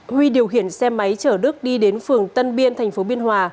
huy điều khiển xe máy chở đức đi đến phường tân biên thành phố biên hòa